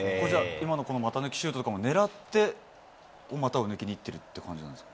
今のこの股抜きシュートとかも、狙って股を抜きにいってるって感じなんですか？